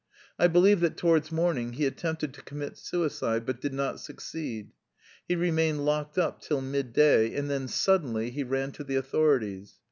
I believe that towards morning he attempted to commit suicide but did not succeed. He remained locked up till midday and then suddenly he ran to the authorities.